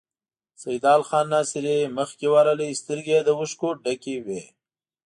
سيدال خان ناصري مخکې ورغی، سترګې يې له اوښکو ډکې وې.